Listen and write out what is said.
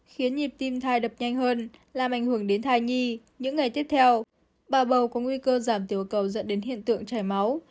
khiến nhịp tim thai đập nhanh hơn làm ảnh hưởng đến thai nhi những ngày tiếp theo bà bầu có nguy cơ giảm tiểu cầu dẫn đến hiện tượng chảy máu